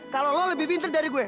kalau lo lebih pinter dari gue